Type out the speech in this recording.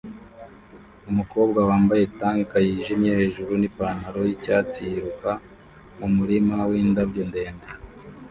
Umukobwa wambaye tank yijimye hejuru nipantaro yicyatsi yiruka mumurima windabyo ndende